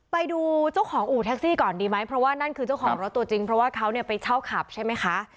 ไปดูเจ้าของอู่แท็กซี่ก่อนดีไหมเพราะว่านั่นคือเจ้าของรถตัวจริงเพราะว่าเขาเนี่ยไปเช่าขับใช่ไหมคะ